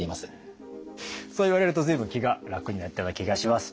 そう言われると随分気が楽になったような気がします。